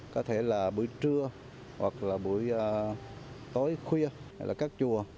có thể là buổi trưa hoặc là buổi tối khuya hay là các chùa